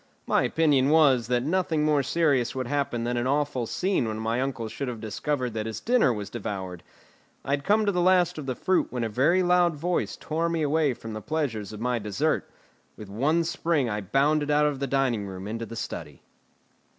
My opinion was, that nothing more serious would happen than an awful scene when my uncle should have discovered that his dinner was devoured. I had come to the last of the fruit when a very loud voice tore me away from the pleasures of my dessert. With one spring I bounded out of the dining room into the study.